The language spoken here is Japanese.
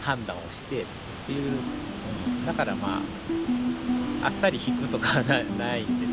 だからまああっさり引くとかはないんですよ。